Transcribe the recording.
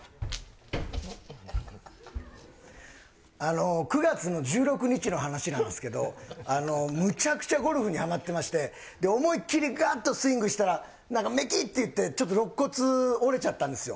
あの、９月の１６日の話なんですけど、むちゃくちゃゴルフにはまってまして、思いっ切りがっとスイングしたら、なんかめきっていって、ちょっとろっ骨折れちゃったんですよ。